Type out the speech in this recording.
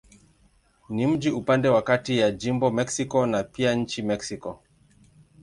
Ni mji upande wa kati ya jimbo Mexico na pia nchi Mexiko.